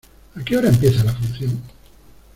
¿A qué hora empieza la función?